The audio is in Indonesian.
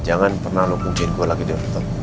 jangan pernah lo bukiin gue lagi di hotel